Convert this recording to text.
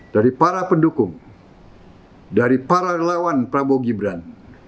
dari para pendukung dari para relawan prabowo gibran